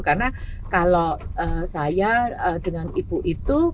karena kalau saya dengan ibu itu